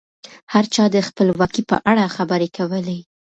هر چا د خپلواکۍ په اړه خبرې کولې.